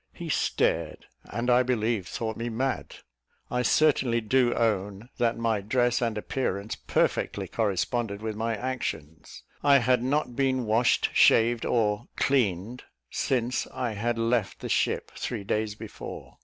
He stared, and I believe thought me mad. I certainly do own that my dress and appearance perfectly corresponded with my actions. I had not been washed, shaved, or "cleaned," since I had left the ship, three days before.